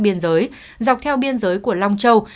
biên giới dọc theo biên giới của long châu